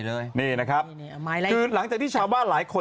นี่นะครับคือหลังจากที่ชาวบ้านหลายคน